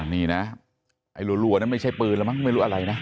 นี่นะไอ้รัวนั้นไม่ใช่ปืนแล้วมั้งไม่รู้อะไรนะ